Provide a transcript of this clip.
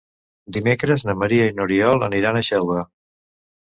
Dimecres na Maria i n'Oriol aniran a Xelva.